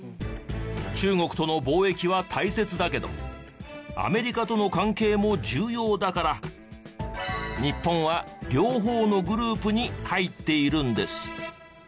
中国との貿易は大切だけどアメリカとの関係も重要だから日本は両方のグループに入っているんです。